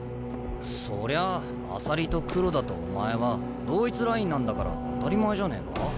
そりゃ朝利と黒田とお前は同一ラインなんだから当たり前じゃねえか？